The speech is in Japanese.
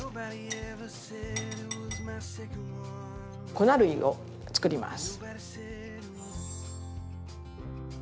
粉類を作ります。